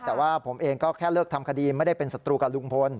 แต่ว่าผมเองก็แค่เลิกทำคดีไม่ได้เป็นศัตรูกับลุงพล